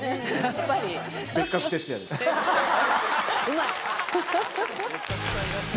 うまい！